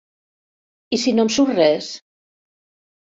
I si no em surt res?